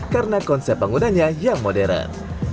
karena konsep penggunanya yang modern